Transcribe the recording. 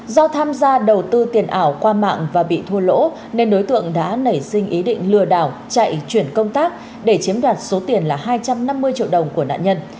do tham gia đầu tư tiền ảo qua mạng và bị thua lỗ nên đối tượng đã nảy sinh ý định lừa đảo chạy chuyển công tác để chiếm đoạt số tiền là hai trăm năm mươi triệu đồng của nạn nhân